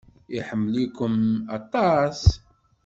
Iḥemmel-ikem aṭas.